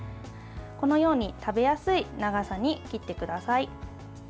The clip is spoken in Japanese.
このように食べやすい長さに切ってください。